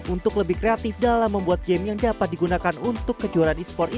untuk lebih kreatif dalam membuat game yang dapat digunakan untuk kejuaraan esports ini